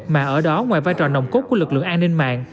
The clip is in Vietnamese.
mà ở đó ngoài vai trò nồng cốt của lực lượng an ninh mạng